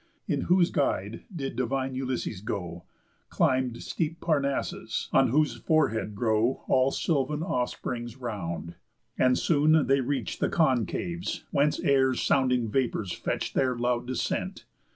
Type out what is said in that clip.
In whose guide did divine Ulysses go, Climb'd steep Parnassus, on whose forehead grow All sylvan offsprings round. And Soon they reach'd The concaves, whence air's sounding vapours fetch'd Their loud descent.